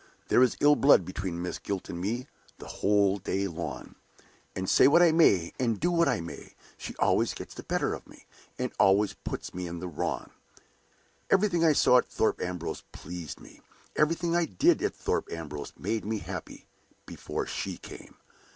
There is ill blood between Miss Gwilt and me the whole day long; and say what I may, and do what I may, she always gets the better of me, and always puts me in the wrong. Everything I saw at Thorpe Ambrose pleased me, everything I did at Thorpe Ambrose made me happy, before she came.